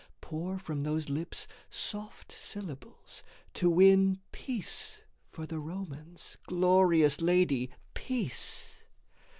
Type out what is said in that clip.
Pour from those lips soft syllables to win Peace for the Romans, glorious Lady, peace!